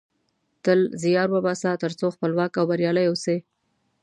تل زیار وباسه ترڅو خپلواک او بریالۍ اوسی